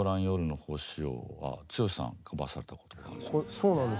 そうなんです。